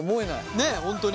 ねっ本当に。